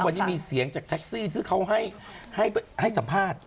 วันนี้มีเสียงจากแท็กซี่ซึ่งเขาให้ให้ให้สัมภาษณ์ค่ะ